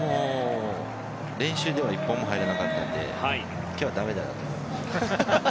練習では１本も入らなかったので今日はだめだなと思って。